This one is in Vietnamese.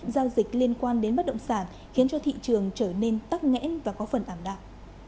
giao dịch liên quan đến bất động sản khiến cho thị trường trở nên tắc nghẽn và có phần ảm đạm